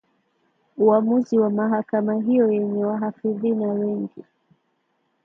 Uamuzi wa mahakama hiyo yenye wahafidhina wengi